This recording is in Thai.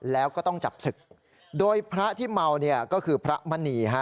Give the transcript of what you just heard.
แล้วก็ต้องจับศึกโดยพระที่เมาเนี่ยก็คือพระมณีฮะ